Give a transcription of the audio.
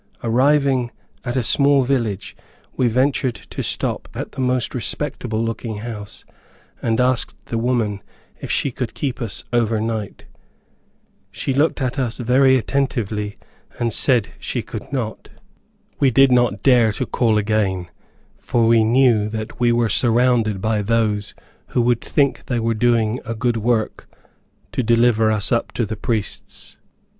Arriving at a small village, we ventured to stop at the most respectable looking house, and asked the woman if she could keep us over night. She looked at us very attentively and said she could not. We did not dare to call again, for we knew that we were surrounded by those who would think they were doing a good work to deliver us up to the priests.